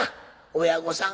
親御さん